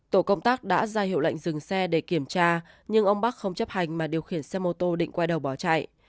tổ công tác đã ra hiệu lệnh dừng xe để kiểm tra nhưng ông bắc không chấp hành mà điều khiển xe mô tô định quay đầu bỏ chạy